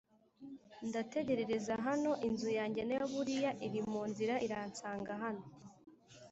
ndategerereza hano inzu yanjye nayo buriya iri mu nzira iransanga hano.